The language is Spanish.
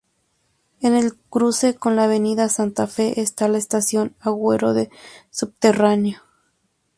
En el cruce con la Avenida Santa Fe está la Estación Agüero de subterráneo.